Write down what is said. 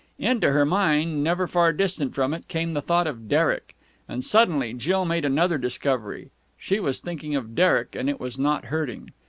Into her mind, never far distant from it, came the thought of Derek. And, suddenly, Jill made another discovery. She was thinking of Derek, and it was not hurting.